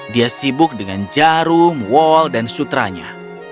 dia sibuk dengan jarum wal dan sutranya